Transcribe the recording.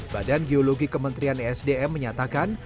badan geologi kementerian esdm menyatakan